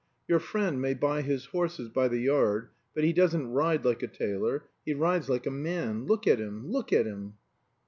"Your friend may buy his horses by the yard, but he doesn't ride like a tailor. He rides like a man. Look at him look at him!"